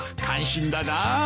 感心だな。